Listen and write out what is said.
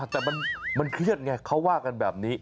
แต่มันเครียดไงเขาว่ากันแบบนี้